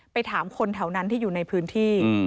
ถามคนแถวนั้นที่อยู่ในพื้นที่